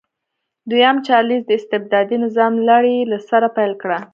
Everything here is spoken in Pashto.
دویم چارلېز د استبدادي نظام لړۍ له سره پیل کړه.